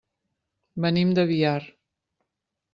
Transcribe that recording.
Venim de Biar.